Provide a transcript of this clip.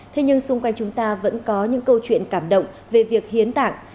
thế nhưng xung quanh chúng ta vẫn có những câu chuyện cảm động về việc hiến tạng